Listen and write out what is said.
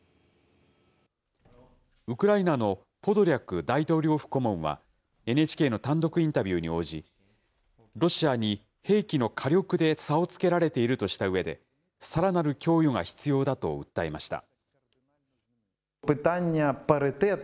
ウクライナのポドリャク大統領府顧問は、ＮＨＫの単独インタビューに応じ、ロシアに兵器の火力で差をつけられているとしたうえで、さらなる供与が必要だと訴えました。